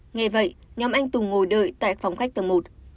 nghe vậy nhóm anh tùng ngồi đợi tại phòng khách tầng một